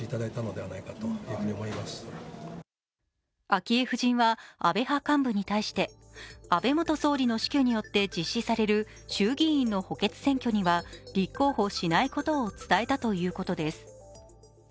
昭恵夫人は安倍派幹部に対して安倍元総理の死去によって実施される衆議院の補欠選挙には立候補しないことを伝えたということです。